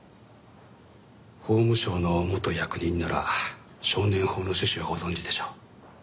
法務省の元役人なら少年法の趣旨はご存じでしょう。